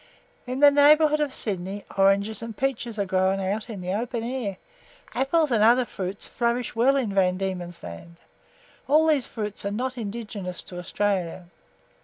In the neighbourhood of Sydney, oranges and peaches are grown out in the open air. Apples and other fruits flourish well in Van Diemen's Land. All these fruits are not indigenous to Australia.